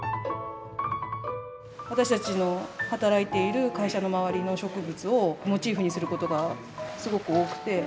私たちの働いている会社の周りの植物をモチーフにすることがすごく多くて。